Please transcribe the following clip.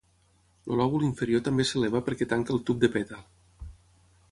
El lòbul inferior també s'eleva perquè tanqui el tub de pètal.